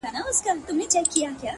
د زړه ملا مي راته وايي دغه!